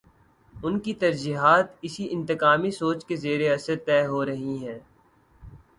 ان کی ترجیحات اسی انتقامی سوچ کے زیر اثر طے ہو رہی ہیں۔